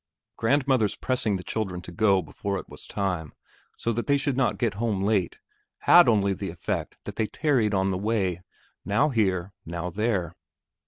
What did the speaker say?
Grandmother's pressing the children to go before it was time, so that they should not get home late, had only the effect that they tarried on the way, now here, now there.